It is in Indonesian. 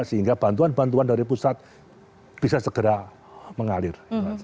sehingga bantuan bantuan dari pusat bisa segera mengalir